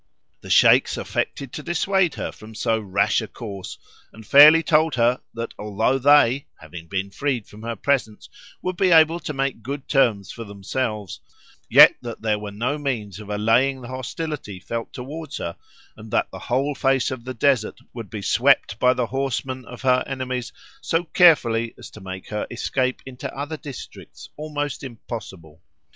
The Sheiks affected to dissuade her from so rash a course, and fairly told her that although they (having been freed from her presence) would be able to make good terms for themselves, yet that there were no means of allaying the hostility felt towards her, and that the whole face of the desert would be swept by the horsemen of her enemies so carefully, as to make her escape into other districts almost impossible.